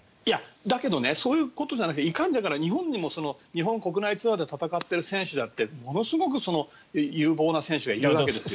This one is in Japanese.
だけどそういうことじゃなくていかに日本にも日本国内ツアーで戦ってる選手だってものすごく有望な選手がいるわけですよ。